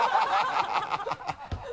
ハハハ